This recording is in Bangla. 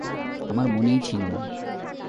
আমার মনেই ছিল না।